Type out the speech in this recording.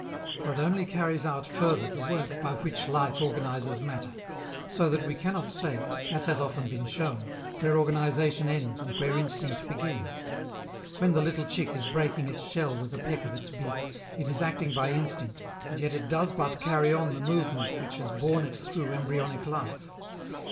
For it only carries out further the work by which life organizes matter so that we cannot say, as has often been shown, where organization ends and where instinct begins. When the little chick is breaking its shell with a peck of its beak, it is acting by instinct, and yet it does but carry on the movement which has borne it through embryonic life.